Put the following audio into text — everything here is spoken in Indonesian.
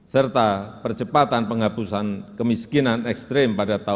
serta percepatan penghabusan kemiskinan ekstrem pada daerah